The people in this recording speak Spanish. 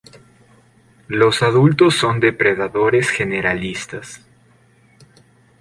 Los adultos son depredadores generalistas.